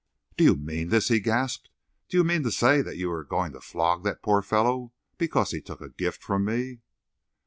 "Do you mean this?" he gasped. "Do you mean to say that you are going to flog that poor fellow because he took a gift from me?"